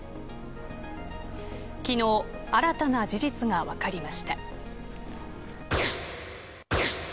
昨日、新たな事実が分かりました